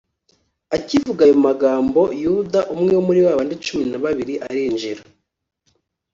akivuga ayo magambo yuda umwe wo muri ba cumin na babiri arinjira